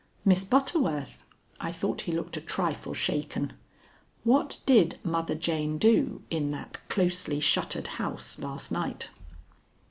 "Miss Butterworth," I thought he looked a trifle shaken, "what did Mother Jane do in that closely shuttered house last night?"